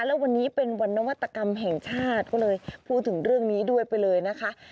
แล้ววันนี้เป็นวันนวัตกรรมแห่งชาติก็เลยพูดถึงเรื่องนี้ด้วยไปเลยนะคะ